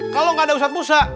kalau nggak ada ustaz musa